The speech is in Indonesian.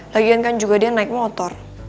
lagian kan juga dia naik motor